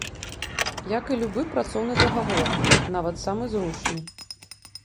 Як і любы працоўны дагавор, нават самы зручны.